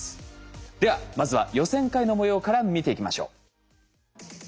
ではまずは予選会の模様から見ていきましょう。